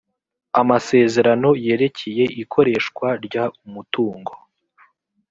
amasezerano yerekeye ikoreshwa ry umutungo